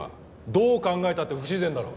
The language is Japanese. どう考えたって不自然だろ。